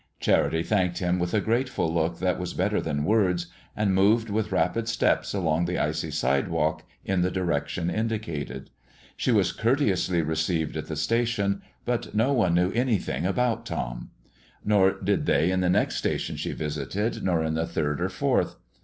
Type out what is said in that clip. Charity thanked him with a grateful look that was better than words, and moved with rapid steps along the icy sidewalk in the direction indicated. She was courteously received at the station, but no one knew anything about Tom. Nor did they in the next station she visited, nor in the third or fourth.